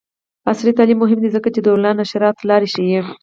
عصري تعلیم مهم دی ځکه چې د آنلاین نشراتو لارې ښيي.